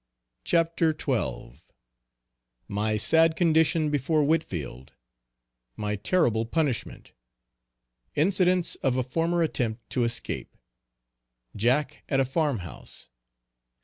CHAPTER XII. _My sad condition before Whitfield. My terrible punishment. Incidents of a former attempt to escape Jack at a farm house.